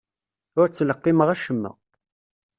Ur ttleqqimeɣ acemma.